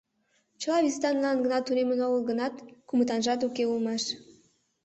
Чыла «визытанлан» гына тунемын огыл гынат, «кумытанжат» уке улмаш.